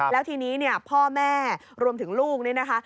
แล้วทีนี้เนี่ยพ่อแม่รวมถึงลูกนี่นะคะ